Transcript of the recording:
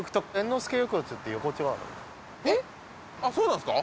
あっそうなんですか